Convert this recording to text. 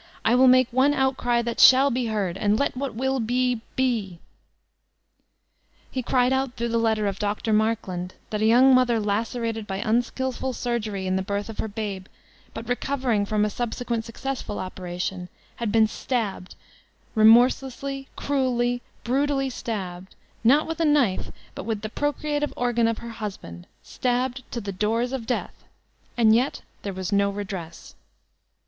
I will make one outcry that shall be heard, and let what will be, bet' He cried out through the letter of Dr. Markland, that a young mother lacerated by unskilful surgery in the birth of her babe, but recovering from a subsequent successful operation, had been stabbed, remorselessly, cruelly, bru tally stabbed, not with a knife, but with the procreative organ of her husband, stabbed to the doors of death, and yet there was no redress!